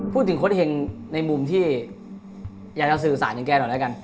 พูดถึงคนเฮงในมุมที่อยากสื่อสารกับมาแน่นแหละต่อได้กัน